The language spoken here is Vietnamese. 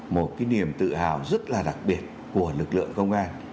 một cái niềm tự hào rất là đặc biệt của lực lượng công an